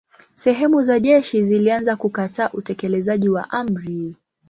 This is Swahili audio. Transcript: Sehemu za jeshi zilianza kukataa utekelezaji wa amri.